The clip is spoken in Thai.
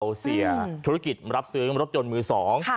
เสียธุรกิจรับซื้อรถยนต์มือสอง